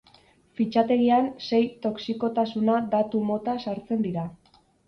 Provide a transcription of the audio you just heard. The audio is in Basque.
Fitxategian sei toxikotasuna datu mota sartzen dira.